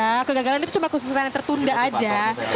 nah kegagalan itu cuma khusus yang tertunda aja